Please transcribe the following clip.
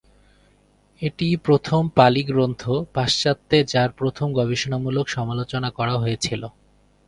এটিই প্রথম পালি গ্রন্থ পাশ্চাত্যে যার প্রথম গবেষণামূলক সমালোচনা করা হয়েছিল।